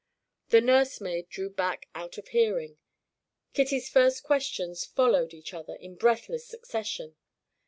The nursemaid drew back out of hearing. Kitty's first questions followed each other in breathless succession.